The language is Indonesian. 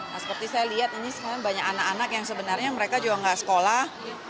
nah seperti saya lihat ini sebenarnya banyak anak anak yang sebenarnya mereka juga nggak sekolah